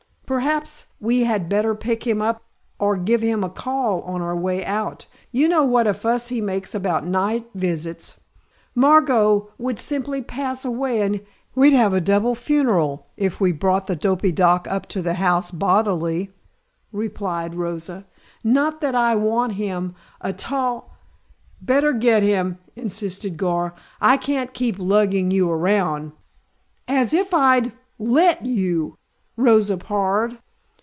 "Perhaps we had better pick him up or give him a call on our way out. You know what a fuss he makes about night visits." "Margot would simply pass away and we'd have a double funeral, if we brought the dopy doc up to the house, bodily," replied Rosa. "Not that I want him a tall " "Better get him," insisted Gar. "I can't keep lugging you around " "As if I'd let you!" Rosa parried.